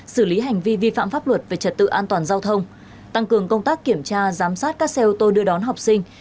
xử lý hành vi vi phạm pháp luật về trật tự an toàn giao thông tăng cường công tác kiểm tra giám sát các xe ô tô đưa đón học sinh